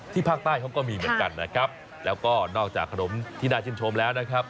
ภาคใต้เขาก็มีเหมือนกันนะครับแล้วก็นอกจากขนมที่น่าชื่นชมแล้วนะครับ